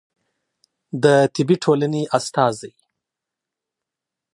د طبي ټولنې استازی